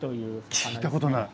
聞いたことない。